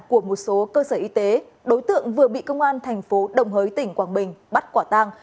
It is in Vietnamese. của một số cơ sở y tế đối tượng vừa bị công an thành phố đồng hới tỉnh quảng bình bắt quả tang